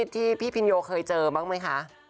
ที่พี่พินโยเคยเจอบ้างไหมคะ